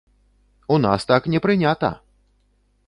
У нас так не прынята!